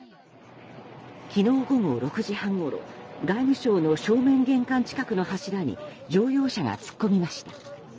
昨日午後６時半ごろ外務省の正面玄関近くの柱に乗用車が突っ込みました。